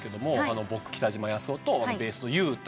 僕北島康雄とベースのＵ太。